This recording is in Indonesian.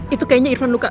itu kayaknya irfan luka